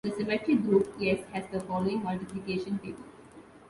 The symmetric group S has the following multiplication table.